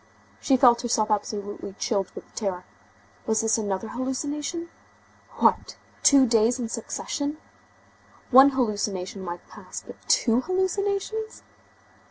She felt herself absolutely chilled with terror. Was this another hallucination? What! Two days in succession! One hallucination might pass, but two hallucinations?